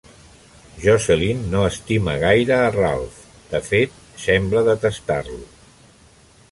Jocelyn no estima gaire a Ralph, de fet, sembla detestar-lo.